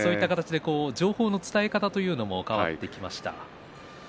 情報の伝え方というのも変わってきました。